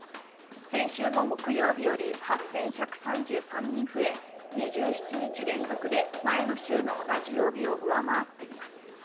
先週の木曜日より８１３３人増え、２７日連続で前の週の同じ曜日を上回っています。